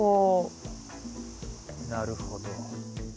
なるほど。